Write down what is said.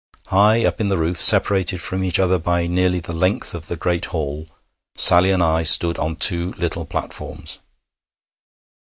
High up in the roof, separated from each other by nearly the length of the great hall, Sally and I stood on two little platforms.